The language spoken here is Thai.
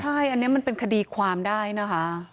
ใช่อันนี้มันเป็นคดีความได้นะคะ